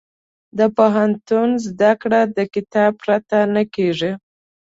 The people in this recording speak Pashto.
د پوهنتون زده کړه د کتاب پرته نه کېږي.